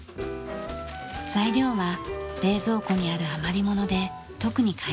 材料は冷蔵庫にある余り物で特に買い出しはしません。